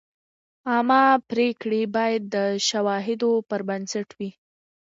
عامه پریکړې باید د شواهدو پر بنسټ وي.